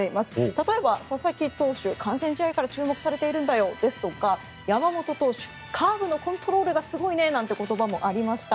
例えば佐々木投手完全試合から注目されているんだよですとか山本投手カーブのコントロールがすごいねなんて言葉もありました。